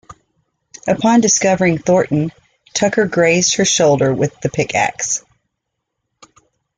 Upon discovering Thornton, Tucker grazed her shoulder with the pickaxe.